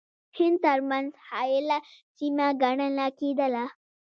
هند ترمنځ حایله سیمه ګڼله کېدله.